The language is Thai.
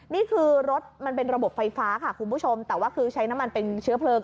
นี่คือรถมันเป็นระบบไฟฟ้าค่ะคุณผู้ชมแต่ว่าคือใช้น้ำมันเป็นเชื้อเพลิง